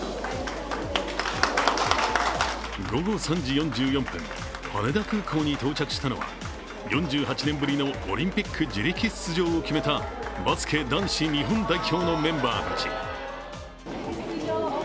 午後３時４４分、羽田空港に到着したのは４８年ぶりのオリンピック自力出場を決めたバスケ男子日本代表のメンバーたち。